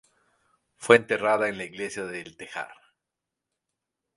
Fue enterrada en la iglesia de El Tejar.